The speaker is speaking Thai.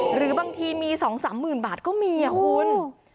หรือบางทีมี๒๓หมื่นบาทก็มีคุณ